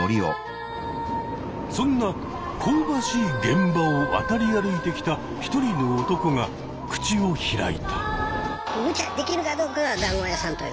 そんな香ばしい現場を渡り歩いてきた一人の男が口を開いた。